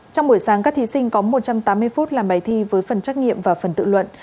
trong buổi sáng các thí sinh có một trăm tám mươi phút làm bài thi với phần trắc nghiệm và phần tự luận